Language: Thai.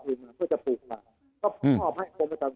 แต่เพราะเกิดเหตุน้ำต้อนน้ำตุ้นหรือเหตุที่สุดแห่ง